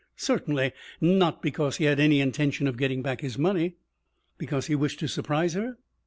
Certainly not because he had any intention of getting back his money. Because he wished to surprise her?